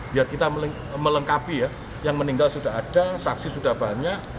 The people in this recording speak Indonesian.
biar kita melengkapi ya yang meninggal sudah ada saksi sudah banyak